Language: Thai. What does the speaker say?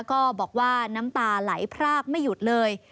ก็บอกว่าน้ำตาไหลพรากไม่หยุดเลย